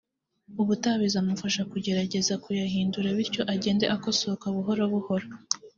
ubutaha bizamufasha kugerageza kuyahindura bityo agende akosoka buhoro buhoro